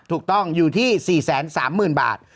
ถูกต้องอยู่ที่๔๓๐๐๐บาท